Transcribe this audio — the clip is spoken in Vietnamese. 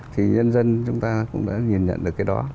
thì nhân dân chúng ta cũng đã nhìn nhận được cái đó